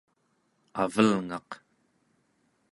avelngaq